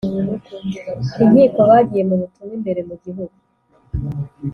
Inkiko bagiye mu butumwa imbere mu Gihugu